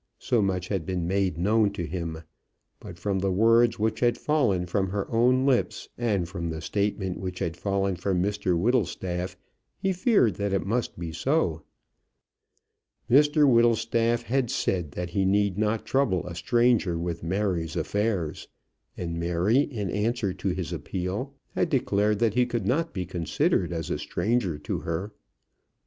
So much had been made known to him. But from the words which had fallen from her own lips, and from the statement which had fallen from Mr Whittlestaff, he feared that it must be so. Mr Whittlestaff had said that he need not trouble a stranger with Mary's affairs; and Mary, in answer to his appeal, had declared that he could not be considered as a stranger to her.